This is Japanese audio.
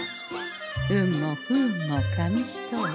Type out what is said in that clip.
運も不運も紙一重。